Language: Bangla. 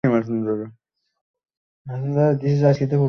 শয়তান যে কাউকেই বেছে নিতে পারে।